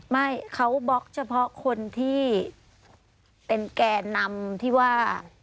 ไม่เขาบล็อกเฉพาะคนที่เป็นแก่นำที่ว่า